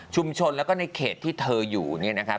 แล้วก็ในเขตที่เธออยู่เนี่ยนะครับ